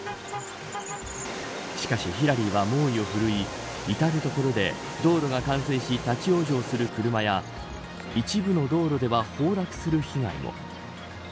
しかし、ヒラリーは猛威をふるい至る所で道路が冠水し立ち往生する車や一部の道路では崩落する被害も。